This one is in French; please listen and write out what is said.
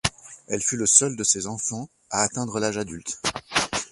Elle fut le seul de ses enfants à atteindre l'âge adulte.